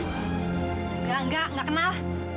enggak enggak enggak kenal